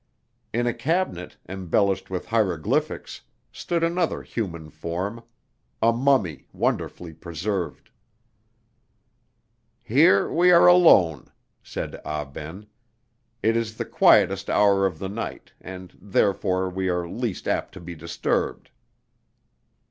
In a cabinet, embellished with hieroglyphics, stood another human form, a mummy wonderfully preserved. "Here we are alone," said Ah Ben; "it is the quietest hour of the night, and therefore we are least apt to be disturbed."